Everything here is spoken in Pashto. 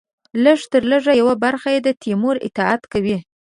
لږترلږه یوه برخه یې د تیمور اطاعت کوي.